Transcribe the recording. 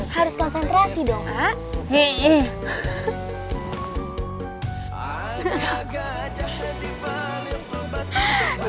harus konsentrasi dong